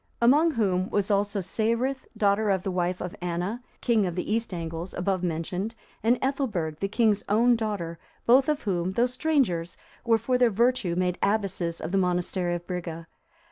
(334) Among whom was also Saethryth,(335) daughter of the wife of Anna, king of the East Angles, above mentioned; and Ethelberg,(336) the king's own daughter; both of whom, though strangers, were for their virtue made abbesses of the monastery of Brige.